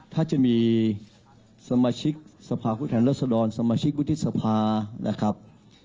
ถ้าจะมีสมาชิกสภาพผู้แทนรัศดรสมาชิกวุฒิสภานะครับ